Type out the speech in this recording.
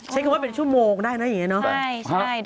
ใช้คำว่าเป็นชั่วโมงได้นะอย่างนี้เนาะ